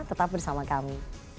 tetap bersama kami